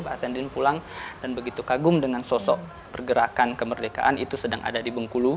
pak sandi pulang dan begitu kagum dengan sosok pergerakan kemerdekaan itu sedang ada di bengkulu